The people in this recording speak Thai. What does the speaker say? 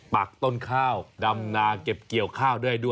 ปักต้นข้าวดำนาเก็บเกี่ยวข้าวได้ด้วย